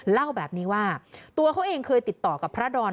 เล่าแบบนี้ว่าตัวเขาเองเคยติดต่อกับพระดอน